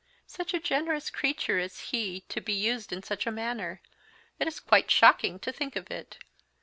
"Such a generous creature as he to be used in such a manner it is quite shocking to think of it!